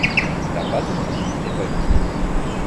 La pâte obtenue n'est pas liquide.